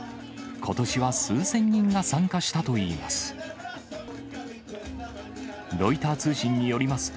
ことしは数千人が参加したといいます。